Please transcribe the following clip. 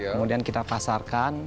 kemudian kita pasarkan